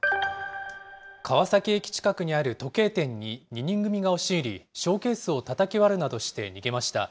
川崎駅近くにある時計店に２人組が押し入り、ショーケースをたたき割るなどして逃げました。